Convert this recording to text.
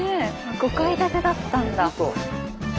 ５階建てだったんだ。